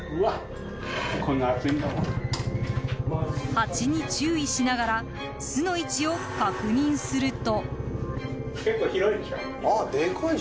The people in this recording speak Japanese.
ハチに注意しながら巣の位置を確認すると。